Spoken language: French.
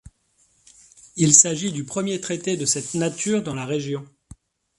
Il s'agit du premier traité de cette nature dans la région.